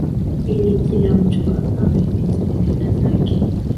ili kila mtu aweleze kuunda zake